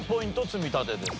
積み立てです。